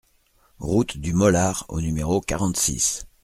Route du Molard au numéro quarante-six